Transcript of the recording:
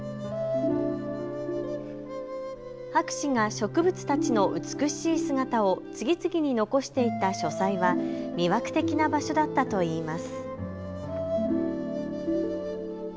博士が植物たちの美しい姿を次々に残していた書斎は魅惑的な場所だったといいます。